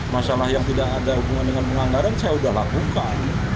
masalah yang tidak ada hubungan dengan penganggaran saya sudah lakukan